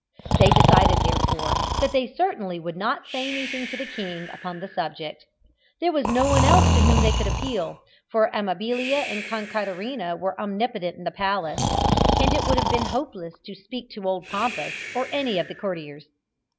They decided, therefore, that they certainly would not say anything to the king upon the subject. There was no one else to whom they could appeal, for Amabilia and Concaterina were omnipotent in the palace, and it would have been hopeless to speak to old Pompous or any of the courtiers.